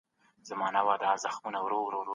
تحقیق د پوښتنو ځواب موندل دي.